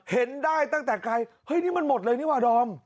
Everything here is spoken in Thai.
เห็นได้ตั้งแต่ไกลเฮ้ยนี่มันหมดเลยนี่ว่ะดอม